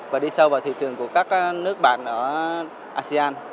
và đi sâu vào thị trường của các nước bạn ở asean